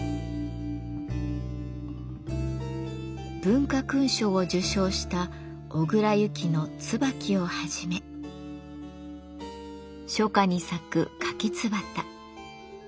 文化勲章を受賞した小倉遊亀の「椿」をはじめ初夏に咲く「杜若」。